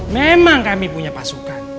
memang kami punya pasukan